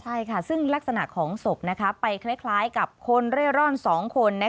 ใช่ค่ะซึ่งลักษณะของศพไปคล้ายกับคนเร่ร่อน๒คน